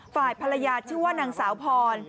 ฝ่ายภรรยาชื่อว่านางสาวพร